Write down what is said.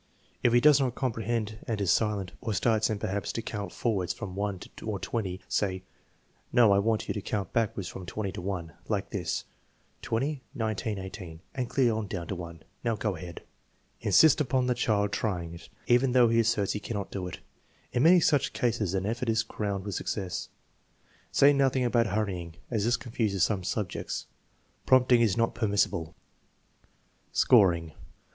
If he does not comprehend, and is silent, or starts in, perhaps, to count forwards from 1 or 0, say: "No; I want you to count backwards from to 1, like this: 20 19 18, and clear on down to 1, Now, go ahead." Insist upon the child trying it even though he asserts he cannot do it. In many such cases an effort is crowned with success. Say nothing about hurrying, as this confuses some subjects. Prompting is not permissible. Scoring.